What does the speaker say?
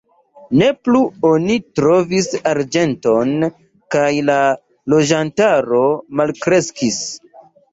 Ne plu oni trovis arĝenton kaj la loĝantaro malkreskis.